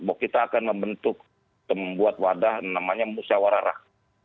bahwa kita akan membentuk atau membuat wadah namanya musyawarah